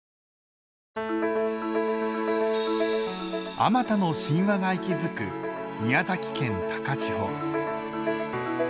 あまたの神話が息づく宮崎県高千穂。